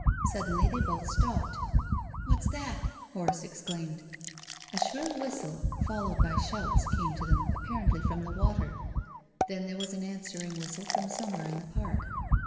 Suddenly they both stopped. " What's that ?" Horace exclaimed. A shrill whistle, followed by shouts, came to them, apparently from the water. Then there was an answering whistle from somewhere in the Park.